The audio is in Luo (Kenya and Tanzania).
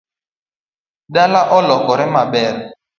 Dala olokore maber